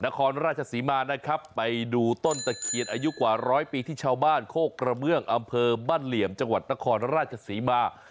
นครราชศรีมานะครับไปดูต้นตะเคียนอายุกว่าร้อยปีที่ชาวบ้านโคกกระเบื้องอำเภอบ้านเหลี่ยมจังหวัดนครราชศรีมา